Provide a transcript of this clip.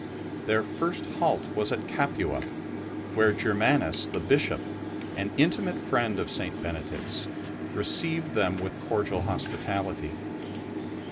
Their first halt was at Capua, where Germanus the Bishop, an intimate friend of St. Benedict's, received them with cordial hospitality.